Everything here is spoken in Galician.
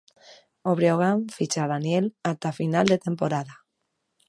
O Breogán ficha a Daniel ata final de temporada.